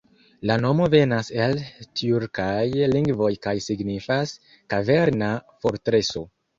La nomo venas el tjurkaj lingvoj kaj signifas "kaverna fortreso".